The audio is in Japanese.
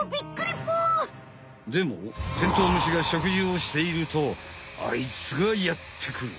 でもテントウムシが食事をしているとあいつがやってくる！